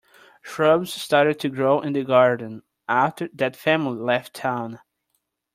Shrubs started to grow in the garden after that family left town.